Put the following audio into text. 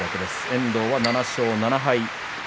遠藤は７勝７敗。